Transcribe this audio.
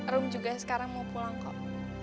room juga sekarang mau pulang kok